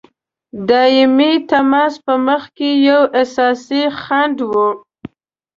دایمي تماس په مخکي یو اساسي خنډ وو.